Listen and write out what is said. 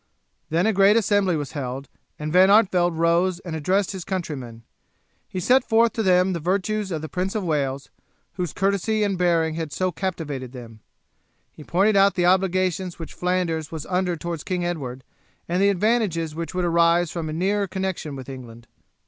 Then a great assembly was held, and Van Artevelde rose and addressed his countrymen. He set forth to them the virtues of the Prince of Wales, whose courtesy and bearing had so captivated them; he pointed out the obligations which Flanders was under towards King Edward, and the advantages which would arise from a nearer connection with England.